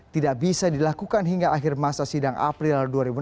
tidak bisa dilakukan hingga akhir masa sidang april dua ribu enam belas